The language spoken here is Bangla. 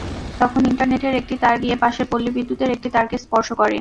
তখন ইন্টারনেটের একটি তার গিয়ে পাশের পল্লী বিদ্যুতের একটি তারকে স্পর্শ করে।